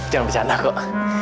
jangan bercanda kok